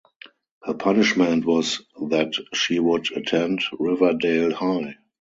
Her punishment was that she would attend Riverdale High.